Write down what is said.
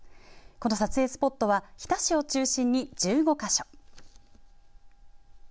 この撮影スポットは日田市を中心に１５か所。